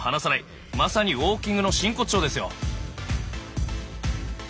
まさにウォーキングの真骨頂ですよ。